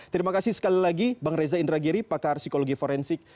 terima kasih sekali lagi bang reza indragiri pakar psikologi forensik